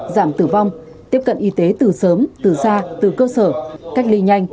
giảm tử vong tiếp cận y tế từ sớm từ xa từ cơ sở cách ly nhanh